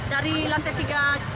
dari lantai tiga